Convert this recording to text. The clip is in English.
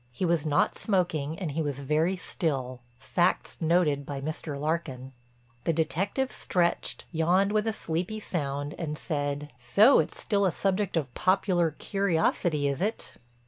He was not smoking and he was very still, facts noted by Mr. Larkin. The detective stretched, yawned with a sleepy sound and said: "So it's still a subject of popular curiosity, is it?"